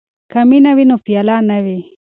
که مینه وي نو پیاله نه وي.